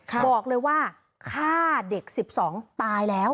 บอกเลยว่าฆ่าเด็ก๑๒ตายแล้ว